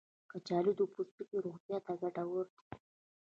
کچالو د پوستکي روغتیا ته ګټور دی.